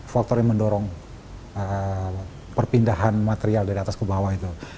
faktor yang mendorong perpindahan material dari atas ke bawah itu